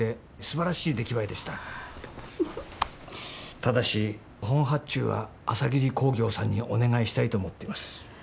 ただし本発注は朝霧工業さんにお願いしたいと思ってます。